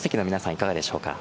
いかがでしょうか？